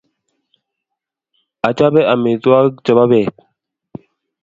Achape amitwokik chepo beet